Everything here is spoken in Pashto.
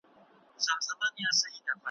ته به ولي پر سره اور بریانېدلای ,